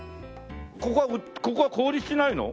ここはここは小売りしないの？